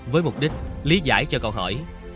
với mục đích lý giải cho câu hỏi